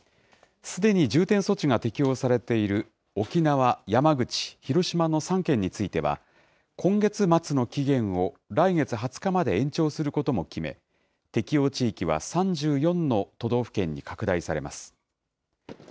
すでに重点措置が適用されている沖縄、山口、広島の３県については、今月末の期限を来月２０日まで延長することも決め、適用地域は３４の都道府県に拡大されます。